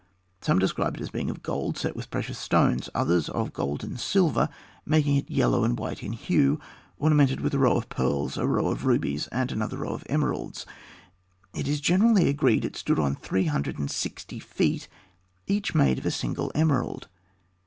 Some describe it as being of gold, set with precious stones; others, as of gold and silver, making it yellow and white in hue, ornamented with a row of pearls, a row of rubies, and another row of emeralds. It is generally agreed that it stood on three hundred and sixty feet, each made of a single emerald.